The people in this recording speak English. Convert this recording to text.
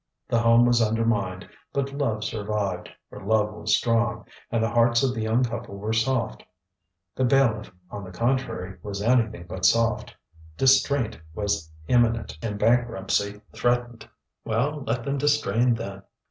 The home was undermined, but love survived, for love was strong, and the hearts of the young couple were soft. The bailiff, on the contrary, was anything but soft. Distraint was imminent, and bankruptcy threatened. Well, let them distrain then!